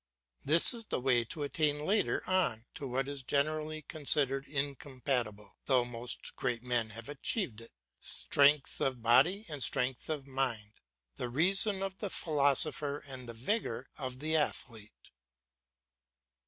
This is the way to attain later on to what is generally considered incompatible, though most great men have achieved it, strength of body and strength of mind, the reason of the philosopher and the vigour of the athlete.